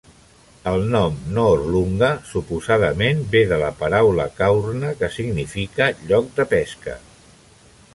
El nom "No-orlunga" suposadament ve de la paraula kaurna que significa "lloc de pesca".